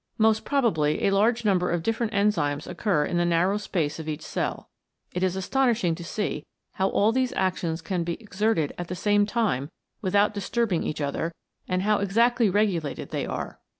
Most probably a large number of different enzymes occur in the narrow space of each cell. It is astonishing to see how all these actions can be exerted at the same time without disturbing each other and how exactly regulated they are.